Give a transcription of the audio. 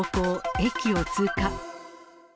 駅を通過。